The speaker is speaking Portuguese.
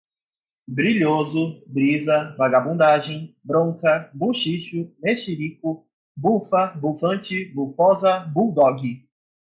brilhoso, brisa, vagabundagem, bronca, buchicho, mexerico, bufa, bufante, bufósa, buldogue